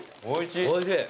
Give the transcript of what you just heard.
おいしい。